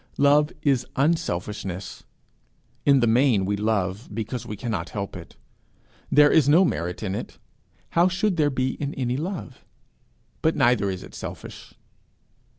Love is unselfishness. In the main we love because we cannot help it. There is no merit in it: how should there be in any love? but neither is it selfish.